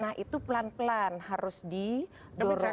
nah itu pelan pelan harus didorong